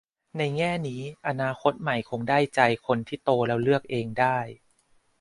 ในแง่นี้อนาคตใหม่คงได้ใจคนที่ โตแล้วเลือกเองได้